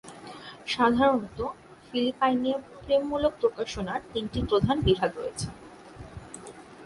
সাধারণত, ফিলিপাইনে প্রেমমূলক প্রকাশনার তিনটি প্রধান বিভাগ রয়েছে।